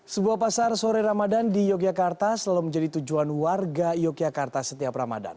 sebuah pasar sore ramadan di yogyakarta selalu menjadi tujuan warga yogyakarta setiap ramadan